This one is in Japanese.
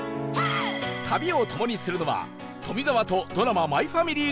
旅を共にするのは富澤とドラマ『マイファミリー』で共演